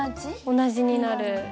同じになる。